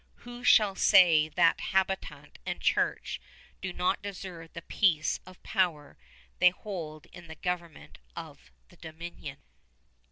Who shall say that habitant and church do not deserve the place of power they hold in the government of the Dominion?